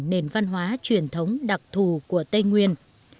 nền văn hóa truyền thống đặc thù của tây nguyên